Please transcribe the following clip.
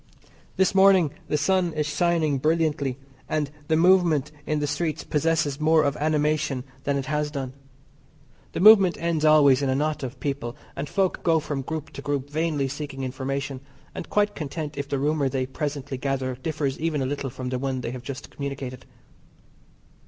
This morning the sun is shining brilliantly, and the movement in the streets possesses more of animation than it has done. The movement ends always in a knot of people, and folk go from group to group vainly seeking information, and quite content if the rumour they presently gather differs even a little from the one they have just communicated.